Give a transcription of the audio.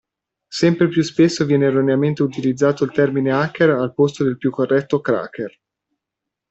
Sempre più spesso viene erroneamente utilizzato il termine hacker al posto del più corretto cracker.